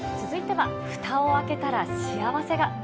続いては、ふたを開けたら、幸せが。